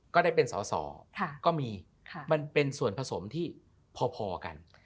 ก็ได้เป็นสอสอก็มีมันเป็นส่วนผสมที่พอกัน